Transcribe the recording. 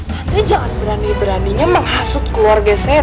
tante jangan berani beraninya menghasut keluarga saya tante